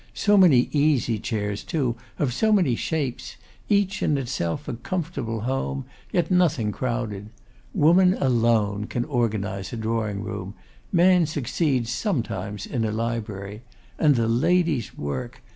So many easy chairs too, of so many shapes; each in itself a comfortable home; yet nothing crowded. Woman alone can organise a drawing room; man succeeds sometimes in a library. And the ladies' work!